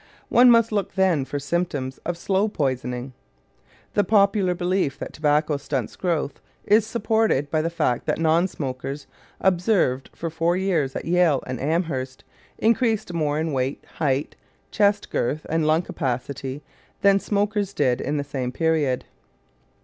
One must look, then, for symptoms of slow poisoning. The popular belief that tobacco stunts growth is supported by the fact that non smokers observed for four years at Yale and Amherst increased more in weight, height, chest girth, and lung capacity than smokers did in the same period.